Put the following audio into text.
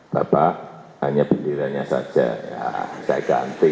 bapak hanya bendera nya saja ya saya ganti